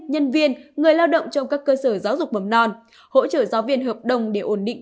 nhân viên người lao động trong các cơ sở giáo dục mầm non hỗ trợ giáo viên hợp đồng để ổn định